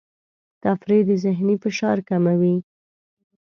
تفریح د ذهني فشار کموي.